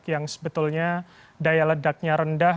yang sebetulnya daya ledaknya rendah